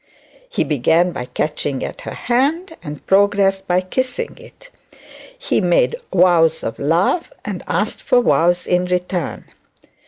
He began by catching at her hand, and progressed by kissing it. He made vows of love, and asked for vows in return.